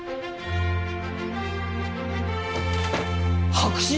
白紙！？